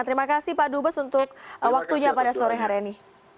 terima kasih pak dubes untuk waktunya pada sore hari ini